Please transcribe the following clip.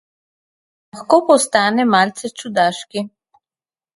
Lahko postane malce čudaški.